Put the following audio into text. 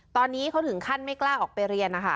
ตอนนี้เขาถึงขั้นไม่กล้าออกไปเรียนนะคะ